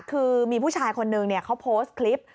คือมีผู้ชายคนนึงเขาโพสต์คลิป